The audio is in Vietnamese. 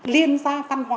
liên gia văn hóa